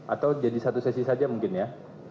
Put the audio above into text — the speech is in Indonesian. atau jadi satu sesi saja mungkin ya